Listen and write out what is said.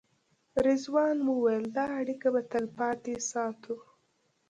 رضوان وویل دا اړیکه به تلپاتې ساتو.